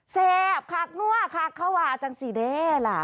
แซ่บคากนั่วคากเข้าวาจังสิแด้ล่ะ